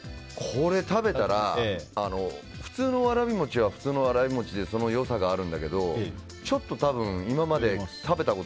これ食べたら普通のわらび餅は普通のわらび餅でその良さがあるんだけどちょっと今までいい香り。